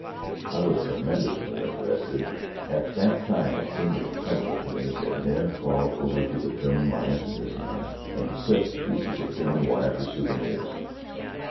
I was tremendously interested. At that time it seemed incredible to me that men crawled over to the German lines in this manner and clipped pieces of German wire for souvenirs.